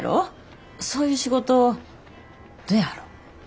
そういう仕事どやろ？